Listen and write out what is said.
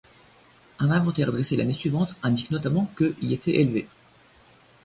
Un inventaire dressé l'année suivante indique notamment que y étaient élevés.